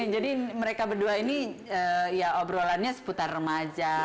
jadi mereka berdua ini ya obrolannya seputar remaja